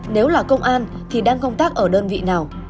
nếu là công an thì đang công tác ở đơn vị nào